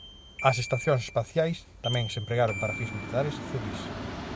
As estacións espaciais tamén se empregaron para fins militares e civís.